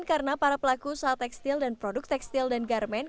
dan karena para pelaku usaha tekstil dan produk tekstil dan garmen